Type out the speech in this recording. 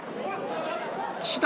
岸田